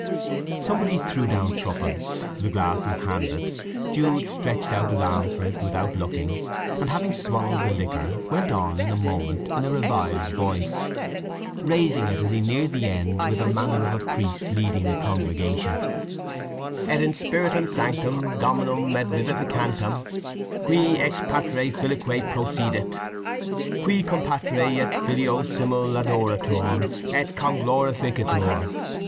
Somebody threw down threepence, the glass was handed, Jude stretched out his arm for it without looking, and having swallowed the liquor, went on in a moment in a revived voice, raising it as he neared the end with the manner of a priest leading a congregation: "_Et in Spiritum Sanctum, Dominum et vivificantem, qui ex Patre Filioque procedit. Qui cum Patre et Filio simul adoratur et conglorificatur.